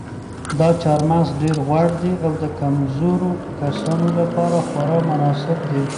دا چهارمغز ډېر غوړ دي او د کمزورو کسانو لپاره خورا مناسب دي.